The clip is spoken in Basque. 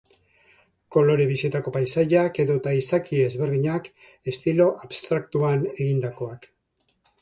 Kolore bizietako paisaiak edota izaki ezberdinak, estilo abstraktuan egindakoak.